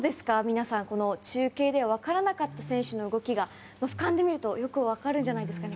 皆さん中継では分からなかった選手の動きが、俯瞰で見るとよく分かるんじゃないんですかね。